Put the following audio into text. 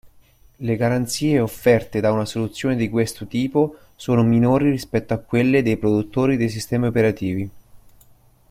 Le garanzie offerte da una soluzione di questo tipo sono minori rispetto a quelle dei produttori dei sistemi operativi.